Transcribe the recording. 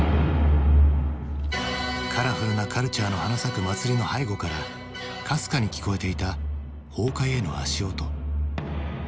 カラフルなカルチャーの花咲く祭りの背後からかすかに聞こえていた崩壊への足音。